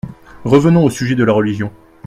Revenons au sujet de la religion.